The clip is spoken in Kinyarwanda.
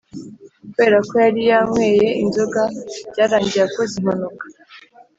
kubera ko yari yanyweye inzoga byarangiye akoze impanuka